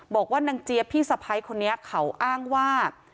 บอกว่านางเจี๊ยบพี่สะพ้ายคนนี้เขาอ้างว่า